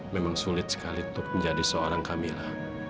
memang sulit sekali untuk menjadi seorang camilla